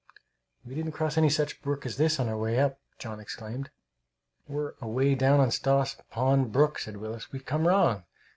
"We didn't cross any such brook as this on our way up!" John exclaimed. "We're away down on Stoss Pond brook," said Willis. "We've come wrong!